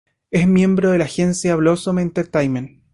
Es miembro de la agencia "Blossom Entertainment".